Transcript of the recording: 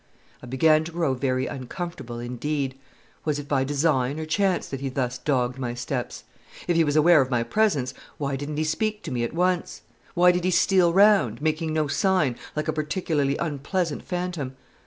I began to grow very uncomfortable indeed. Was it by design or chance that he thus dogged my steps? If he was aware of my presence, why didn't he speak to me at once? 'Why did he steal round, making no sign, like a particularly unpleasant phantom?